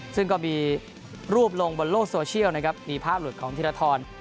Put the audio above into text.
ซึ่งก็มีรูปลงบนโลกโซเชียลนะครับมีภาพหลุดของธีรทร